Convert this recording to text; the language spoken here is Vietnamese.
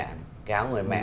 cái áo người mẹ